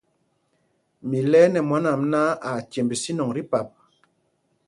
Mi lɛɛ nɛ mwân ām náǎ, aa cemb sínɔŋ tí pap.